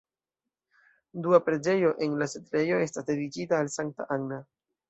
Dua preĝejo en la setlejo estas dediĉita al sankta Anna.